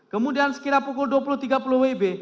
kemudian sekitar pukul dua puluh tiga puluh wb